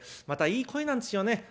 またいい声なんですよね。